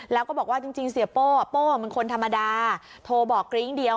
แล้วก็บอกว่าจริงเสียโป้โป้เป็นคนธรรมดาโทรบอกกริ้งเดียว